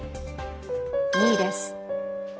２位です。